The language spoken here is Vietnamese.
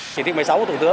cảm ơn các bạn đã theo dõi